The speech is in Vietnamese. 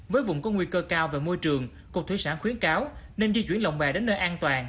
với vùng có nguy cơ cao về môi trường cục thủy sản khuyến cáo nên di chuyển lồng bè đến nơi an toàn